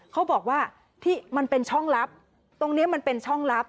เขาบอกว่าที่มันเป็นช่องลับตรงนี้มันเป็นช่องลับ